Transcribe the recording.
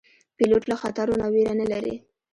پیلوټ له خطرو نه ویره نه لري.